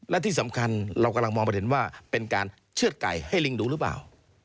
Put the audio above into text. และที่สำคัญเรากำลังมองประเด็นว่าเป็นการเชื่อดไก่ให้ลิงดูหรือเปล่า